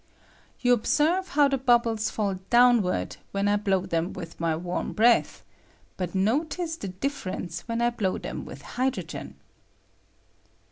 Tou observe how the bubbles fall downward when I blow them with my warm breath ; but notice the difference when I blow them with hydrogen.